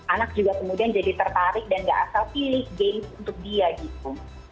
anak juga kemudian jadi tertarik dan gak asal pilih games untuk dia gitu